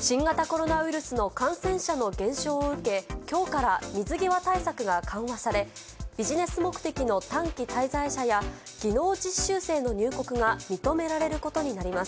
新型コロナウイルスの感染者の減少を受け、きょうから水際対策が緩和され、ビジネス目的の短期滞在者や技能実習生の入国が認められることになります。